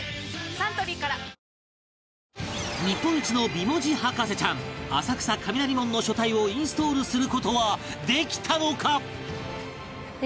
サントリーから日本一の美文字博士ちゃん浅草雷門の書体をインストールする事はできたのか？